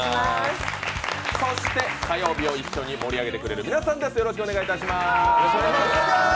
そして、火曜日を一緒に盛り上げてくれる皆さんです。